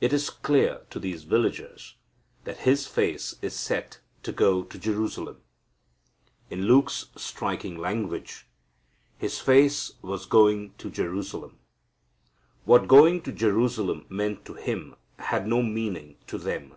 It is clear to these villagers that His face is set to go to Jerusalem. In Luke's striking language, "His face was going to Jerusalem." What going to Jerusalem meant to Him had no meaning to them.